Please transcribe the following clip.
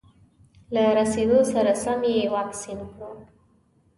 له رسېدو سره سم یې واکسین کړو.